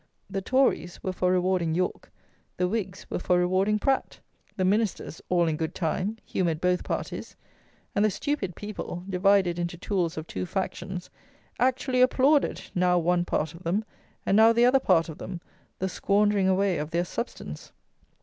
The Tories were for rewarding Yorke; the Whigs were for rewarding Pratt. The Ministers (all in good time!) humoured both parties; and the stupid people, divided into tools of two factions, actually applauded, now one part of them, and now the other part of them, the squandering away of their substance.